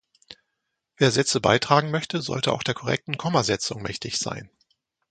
Wer Sätze beitragen möchte, sollte auch der korrekten Kommasetzung mächtig sein.